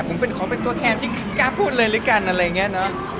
ผมขอเป็นตัวแทนที่กล้าพูดเลยด้วยกันอะไรอย่างนี้เนอะ